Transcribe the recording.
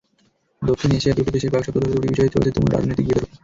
দক্ষিণ এশিয়ার দুটি দেশে কয়েক সপ্তাহ ধরে দুটি বিষয়ে চলছে তুমুল রাজনৈতিক বিতর্ক।